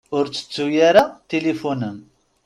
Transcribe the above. Ur ttettu ara tilifun-m.